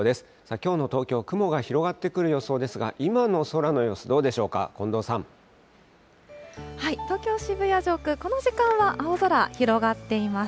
きょうの東京、雲が広がってくる予想ですが、今の空の様子、どう東京・渋谷上空、この時間は青空広がっています。